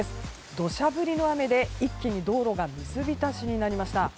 土砂降りの雨で、一気に道路が水浸しになりました。